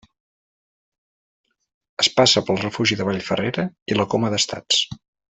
Es passa pel refugi de Vall Ferrera i la Coma d'Estats.